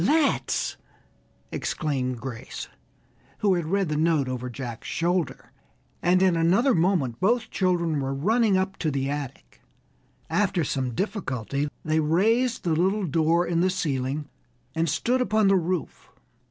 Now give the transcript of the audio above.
"Let's!" exclaimed Grace, who had read the note over Jack's shoulder; and in another moment both children were running up to the attic. After some difficulty, they raised the little door in the ceiling and stood upon the roof.